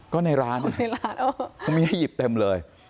ก็ในร้านมีให้หยิบเต็มเลย